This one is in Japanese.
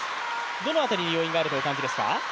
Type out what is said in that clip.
どのあたりに要因があるとお考えですか？